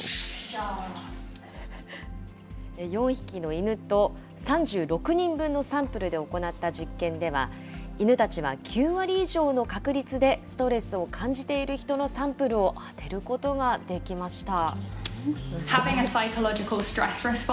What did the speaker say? ４匹の犬と３６人分のサンプルで行った実験では、犬たちは９割以上の確率でストレスを感じている人のサンプルを当てることができました。